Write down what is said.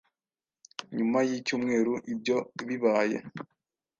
Nyuma y'icyumweru ibyo bibaye,